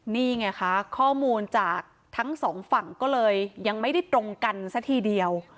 นี่ไงคะข้อมูลจากทั้งสองฝั่งก็เลยยังไม่ได้ตรงกันซะทีเดียว